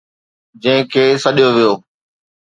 جنهن کي سڏيو ويو